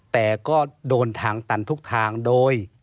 แต่ก็โดนทางตันทุกทางโดย